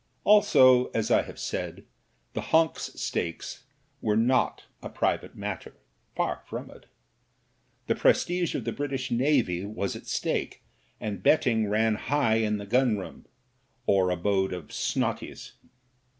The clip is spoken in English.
Also, as I have said, the Honks stakes were not a private mat ter — far from it. The prestige of the British Navy was at stake, and betting ran high in the gunroom, or abode of "snotties."